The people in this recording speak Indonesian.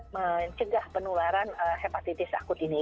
mencegah penularan hepatitis akut ini